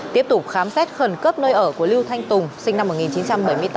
tiếp tục khám xét khẩn cấp nơi ở của lưu thanh tùng sinh năm một nghìn chín trăm bảy mươi tám